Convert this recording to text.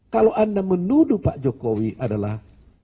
kalau anda menuduh pak jokowi adalah